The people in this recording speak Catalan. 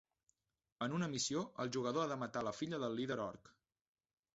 En una missió, el jugador ha de matar la filla del líder Orc.